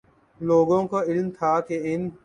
لوگوں کو علم تھا کہ ان